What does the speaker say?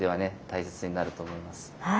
大切になると思います。